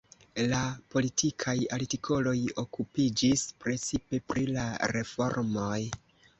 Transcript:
La politikaj artikoloj okupiĝis precipe pri la reformoj.